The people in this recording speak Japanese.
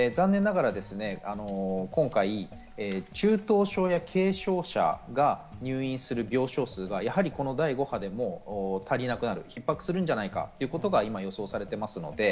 残念ながら今回、中等症や軽症者が入院する病床数がやはりこの第５波でも足りなくなる、逼迫するんじゃないかということが予想されています。